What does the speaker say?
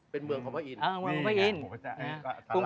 เป็นเมืองของพระอินทะอิน